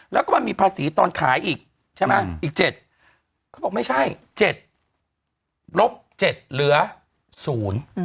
แล้วก็มันมีภาษีตอนขายอีกใช่ไหมอีกเจ็ดเขาบอกไม่ใช่เจ็ดลบเจ็ดเหลือศูนย์